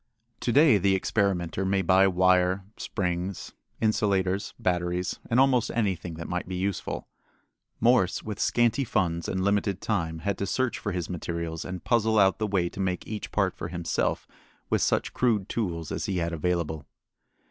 To day the experimenter may buy wire, springs, insulators, batteries, and almost anything that might be useful. Morse, with scanty funds and limited time, had to search for his materials and puzzle out the way to make each part for himself with such crude tools as he had available.